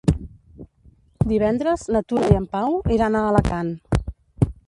Divendres na Tura i en Pau iran a Alacant.